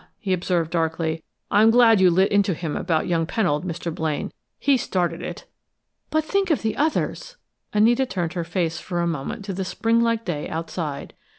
he observed darkly. "I'm glad you lit into him about young Pennold, Mr. Blaine. He started it!" "But think of the others!" Anita Lawton turned her face for a moment to the spring like day outside.